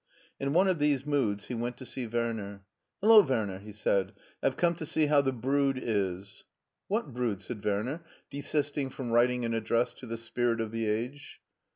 In one of these moods he went to see Werner. 54 HEIDELBERG 55 *' Hello, Werner !" he said, " I've come to sec how the brood is." " What brood ?" said Werner, desisting from writ ing an address to the spirit of the age.